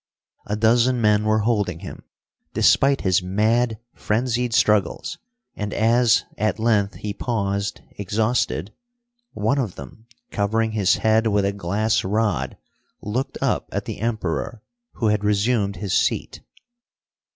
A dozen men were holding him, despite his mad, frenzied struggles, and as, at length, he paused, exhausted, one of them, covering his head with a glass rod, looked up at the Emperor, who had resumed his seat.